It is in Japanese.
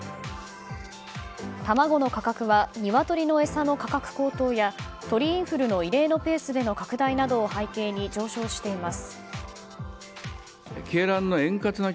卵の価格は鶏の餌の価格高騰や鳥インフルの異例のペースでの拡大などを背景に上昇しています。